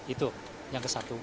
itu yang ke satu